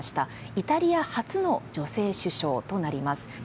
イタリア初の女性首相となります。